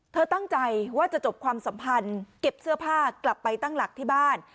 ตั้งใจว่าจะจบความสัมพันธ์เก็บเสื้อผ้ากลับไปตั้งหลักที่บ้าน